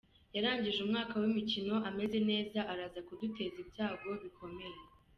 Yarangije umwaka w’imikino ameze neza, araza kuduteza ibyago bikomeye.